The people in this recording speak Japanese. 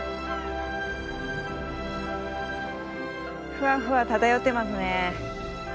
ふわふわ漂ってますね。